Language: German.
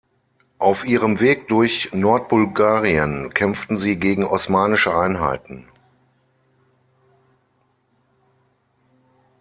Auf ihrem Weg durch Nordbulgarien kämpften sie gegen osmanische Einheiten.